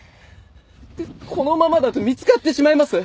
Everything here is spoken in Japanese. このままだと見つかってしまいます。